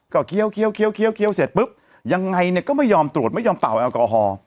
เคี้ยวเสร็จปุ๊บยังไงเนี่ยก็ไม่ยอมตรวจไม่ยอมเป่าแอลกอฮอล์